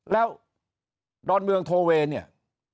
แล้วดอนเมืองโทเวย์เนี่ย